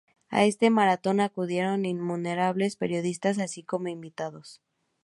A este maratón acudieron innumerables periodistas así como invitados.